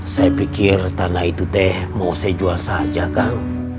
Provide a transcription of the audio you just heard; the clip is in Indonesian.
saya pikir tanah itu teh mau saya jual saja kang